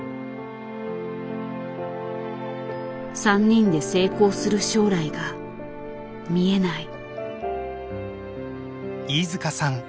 ３人で成功する将来が見えない。